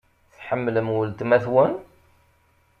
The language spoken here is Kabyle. Tḥemmlem weltma-twen?